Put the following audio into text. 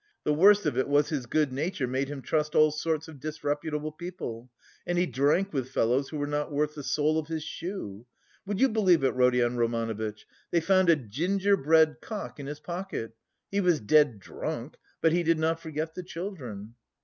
The worst of it was his good nature made him trust all sorts of disreputable people, and he drank with fellows who were not worth the sole of his shoe. Would you believe it, Rodion Romanovitch, they found a gingerbread cock in his pocket; he was dead drunk, but he did not forget the children!"